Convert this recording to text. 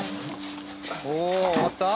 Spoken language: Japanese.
おお終わった？